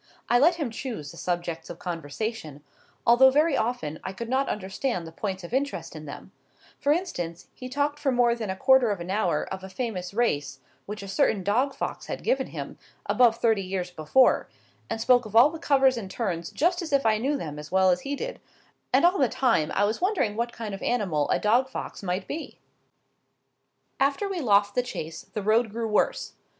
I let him choose the subjects of conversation, although very often I could not understand the points of interest in them: for instance, he talked for more than a quarter of an hour of a famous race which a certain dog fox had given him, above thirty years before; and spoke of all the covers and turns just as if I knew them as well as he did; and all the time I was wondering what kind of an animal a dog fox might be. After we left the Chase, the road grew worse.